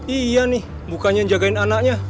iya nih bukannya jagain anaknya